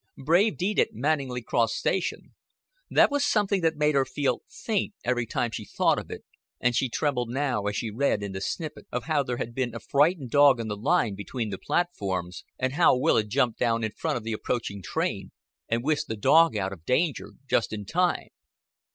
"Brave Deed at Manninglea Cross Station" that was something that made her feel faint every time she thought of it, and she trembled now as she read in the snippet of how there had been a frightened dog on the line between the platforms, and how Will had jumped down in front of the approaching train and whisked the dog out of danger just in time.